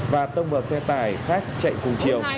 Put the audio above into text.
và tông vào xe tải khác chạy cùng chiều